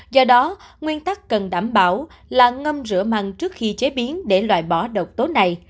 do đó nguyên tắc cần đảm bảo là ngâm rửa măng trước khi chế biến để loại bỏ độc tố này